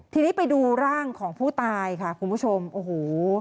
ทีนี้ไปดูร่างของผู้ตายค่ะคุณผู้ชมโอ้โห